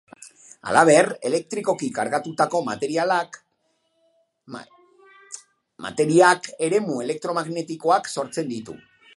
Halaber, elektrikoki kargatutako materiak eremu elektromagnetikoak sortzen ditu.